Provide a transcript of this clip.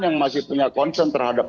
yang masih punya concern terhadap